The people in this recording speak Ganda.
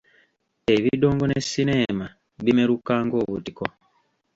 Ebidongo ne sineema bimeruka ng’obutiko.